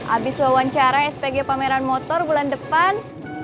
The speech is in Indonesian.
abis wawancara spg pameran motor bulan depan